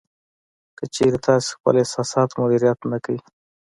که چېرې تاسې خپل احساسات مدیریت نه کړئ